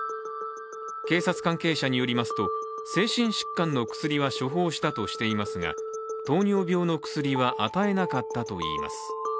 警察関係者によりますと精神疾患の薬は処方したといいますが糖尿病の薬は与えなかったといいます。